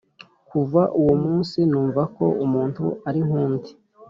Kuva uwo munsi numva ko umuntu ari nk undi